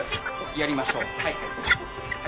やりましょう。